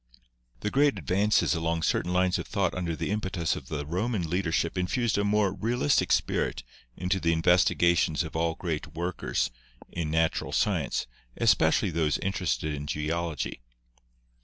The great advances along certain lines of thought under the impetus of the Roman leadership infused a more real istic spirit into the investigations of all great workers in Natural Science, especially those interested in Geology.